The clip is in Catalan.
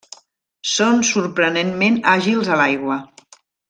Són sorprenentment àgils a l'aigua.